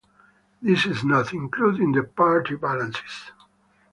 This is not included in the party balances.